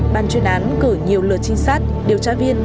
ban chuyên án cử nhiều lượt trinh sát điều tra viên